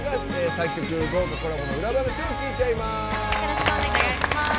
作曲、豪華コラボの裏側を聞いちゃいます。